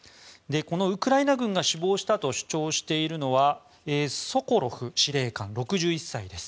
ウクライナ軍が死亡したと主張しているのはソコロフ司令官、６１歳です。